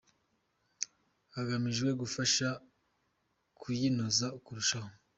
hagamijwe kubafasha kuyinoza kurushaho